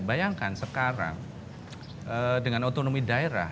bayangkan sekarang dengan otonomi daerah